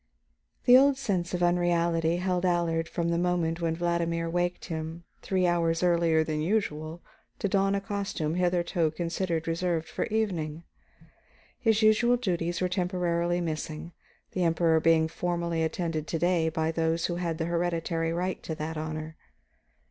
The old sense of unreality held Allard from the moment when Vladimir awakened him three hours earlier than usual to don a costume hitherto considered reserved for evening. His usual duties were temporarily missing, the Emperor being formally attended to day by those who had the hereditary right to that honor.